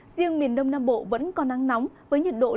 riêng miền đông nam bộ vẫn còn nắng nóng với nhiệt độ lên trên ba mươi năm độ